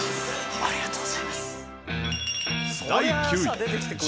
ありがとうございます。